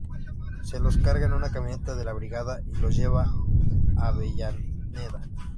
Se los carga en una camioneta de la Brigada y los lleva a Avellaneda.